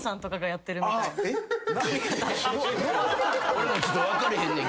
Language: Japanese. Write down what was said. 俺もちょっと分かれへんねんけど。